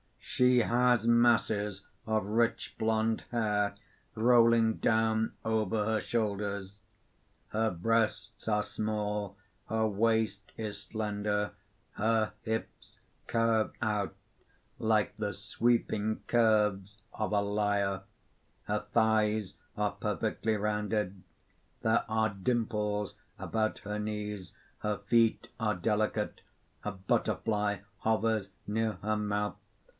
_ _She has masses of rich blond hair rolling down over her shoulders; her breasts are small; her waist is slender; her hips curve out like the sweeping curves of a lyre; her thighs are perfectly rounded; there are dimples about her knees; her feet are delicate: a butterfly hovers near her mouth.